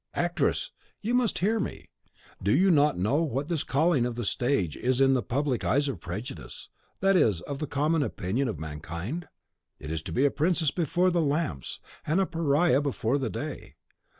"Actress, you must hear me! Do you know what this calling of the stage is in the eyes of prejudice, that is, of the common opinion of mankind? It is to be a princess before the lamps, and a Pariah before the day.